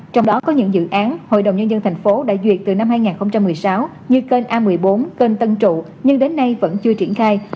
trong đó có những dự án hội đồng nhân dân thành phố đã duyệt từ năm hai nghìn một mươi sáu như kênh a một mươi bốn kênh tân trụ nhưng đến nay vẫn chưa triển khai